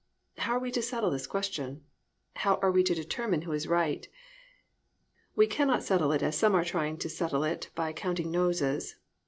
How are we to settle this question? How are we to determine who is right? We cannot settle it as some are trying to settle it by "counting noses."